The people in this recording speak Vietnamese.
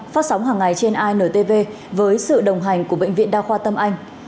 phát sóng hàng ngày trên intv với sự đồng hành của bệnh viện đa khoa tâm anh